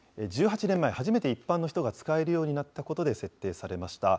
１８年前、初めて一般の人が使えるようになったことで、設定されました。